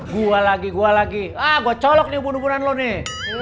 gua lagi gua lagi ah gua colok nih hubung hubungan lu nih